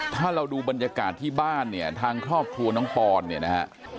ถ้าเราดูบรรยากาศที่บ้านเนี่ยทางครอบครัวน้องปอนเนี่ยนะฮะ